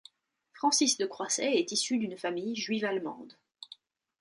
Francis de Croisset est issu d'une famille juive allemande.